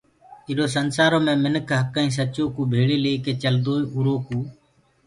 ايٚرو سنسآرو مي مِنک هَڪ ائيٚنٚ سچو ڪوٚ ڀيݪي ليڪي چلدوئي اُرو ڪوٚ